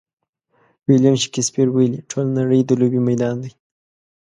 ویلیم شکسپیر ویلي: ټوله نړۍ د لوبې میدان دی.